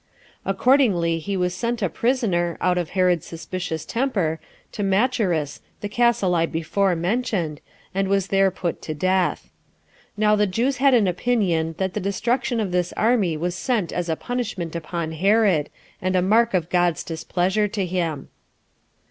Accordingly he was sent a prisoner, out of Herod's suspicious temper, to Macherus, the castle I before mentioned, and was there put to death. Now the Jews had an opinion that the destruction of this army was sent as a punishment upon Herod, and a mark of God's displeasure to him.